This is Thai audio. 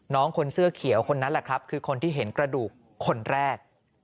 คนเสื้อเขียวคนนั้นแหละครับคือคนที่เห็นกระดูกคนแรก